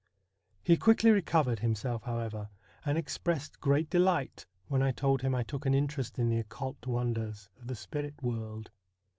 He quickly recovered himself, however, and expressed great delight when I told him I took an interest in the occult wonders of the spirit world.